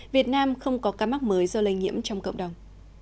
việt nam không có ca mắc mới do lây nhiễm trong cộng đồng